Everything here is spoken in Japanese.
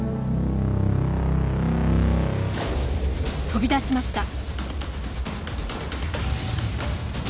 飛び出しました。